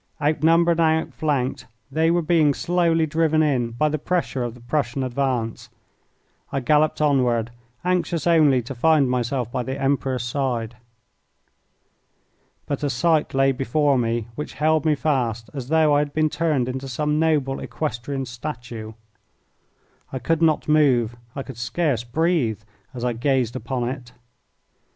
Outnumbered and outflanked, they were being slowly driven in by the pressure of the Prussian advance. I galloped onward, anxious only to find myself by the Emperor's side. But a sight lay before me which held me fast as though I had been turned into some noble equestrian statue. I could not move, I could scarce breathe, as I gazed upon it.